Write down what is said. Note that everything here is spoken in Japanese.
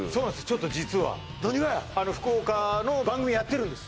ちょっと実は何がやあの福岡の番組やってるんです